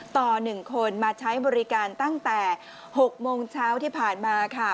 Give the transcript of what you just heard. ต่อ๑คนมาใช้บริการตั้งแต่๖โมงเช้าที่ผ่านมาค่ะ